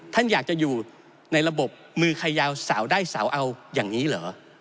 ท่านอยากจะอยู่ในระบบมือใครยาวสาวได้สาวเอาอย่างนี้เหรอ